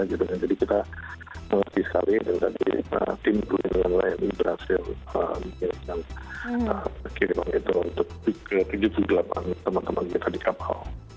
kita mengerti sekali dan tadi tim lain berhasil menyiapkan kirim itu untuk ke tujuh puluh delapan teman teman kita di kapal